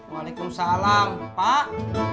waalaikum salam pak